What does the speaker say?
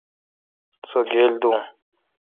سو گیل دو۔